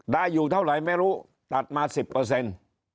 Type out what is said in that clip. ได้อยู่เท่าไหร่ไม่รู้ตัดมาสิบเปอร์เซ็นต์